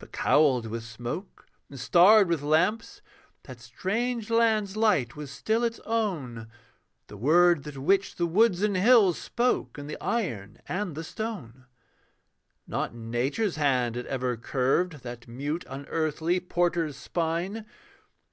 But cowled with smoke and starred with lamps That strange land's light was still its own; The word that witched the woods and hills Spoke in the iron and the stone. Not Nature's hand had ever curved That mute unearthly porter's spine.